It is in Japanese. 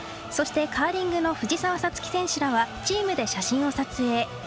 そしてカーリングの藤澤五月選手らは、チームで写真を撮影。